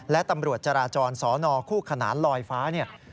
และตำรวจจราจรสนคู่ขนานลอยฟ้าเนี่ย